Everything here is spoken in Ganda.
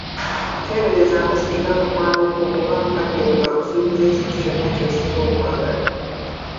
Teeberezaamu singa mukwano gwo oba mukadde wo akusuubizza ekintu kyonna kyosinga okwagala.